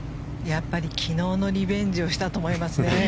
やっぱり昨日のリベンジをしたと思いますね。